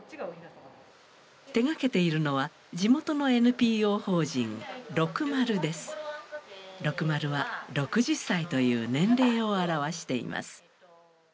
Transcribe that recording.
手がけているのは地元のロクマルは６０歳という年齢を表しています。